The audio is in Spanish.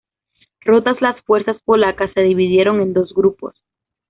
Rotas las fuerzas polacas se dividieron en dos grupos.